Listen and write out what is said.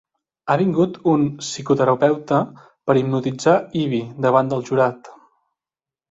Ha vingut un psicoterapeuta per hipnotitzar Ivy davant del jurat.